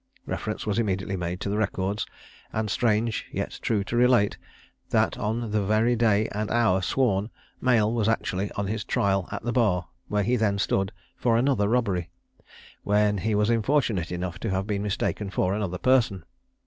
Reference was immediately made to the records; and strange yet true to relate, that, on the very day and hour sworn to, Male was actually on his trial at the bar where he then stood, for another robbery, when he was unfortunate enough to have been mistaken for another person.